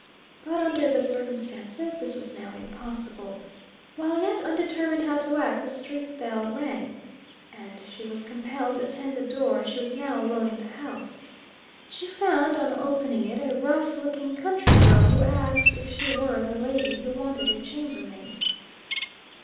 But, under the circumstances, this was now impossible. While yet undetermined how to act, the street bell rung, and she was compelled to attend the door, as she was now alone in the house. She found, on opening it, a rough looking country girl, who asked if she were the lady who wanted a chamber maid.